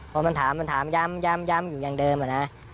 เพราะมันถามมันถามย้ำย้ำย้ำอยู่อย่างเดิมอะนะ